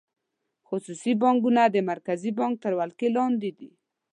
خصوصي بانکونه د مرکزي بانک تر ولکې لاندې دي.